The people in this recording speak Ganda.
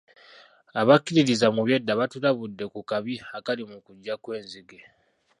Abakkiririza mu by'edda batulabudde ku kabi akaali mu kujja kw'enzige.